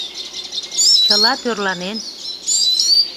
Чыла тӧрланен.